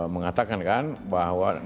mengatakan kan bahwa